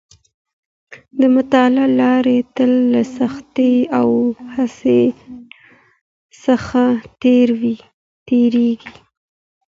د علم لاره تل له سختۍ او هڅې څخه تېرېږي.